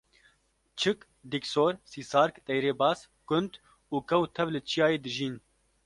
çik, dîksor, sîsark, teyrê baz, kund û kew tev li çiyayê dijîn